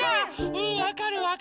うんわかるわかる。